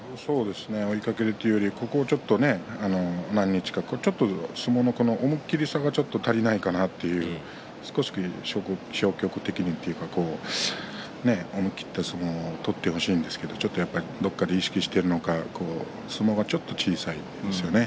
追いかけるというよりここちょっと何日か相撲の思いっきりさが足りないかなと少し消極的にというか思い切った相撲を取ってほしいんですけれどもどこかで意識しているのか相撲がちょっと小さいですよね